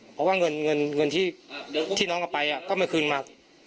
เพราะว่าเงินที่น้องเอาไปก็ไม่คืนมา